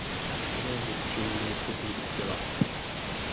Takového učení je schopný i čmelák.